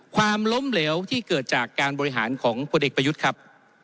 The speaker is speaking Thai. ความล้มเหลวที่เกิดจากการบริหารของพลเอกประยุทธ์ครับ